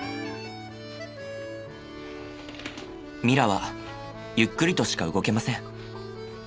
ミラはゆっくりとしか動けません。